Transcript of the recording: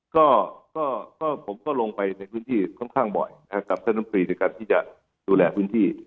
ก็ผมก็ลงไปในพื้นที่ค่อนข้างบ่อยนะครับกับท่านน้ำตรีในการที่จะดูแลพื้นที่